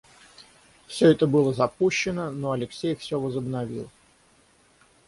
Всё это было запущено, но Алексей всё возобновил.